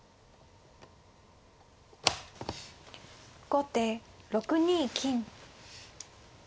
後手６二金。